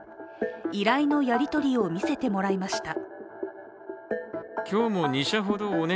依頼のやり取りを見せてもらいました。